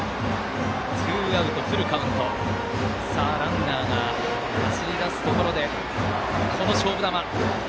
さあランナーが走り出すところでこの勝負球。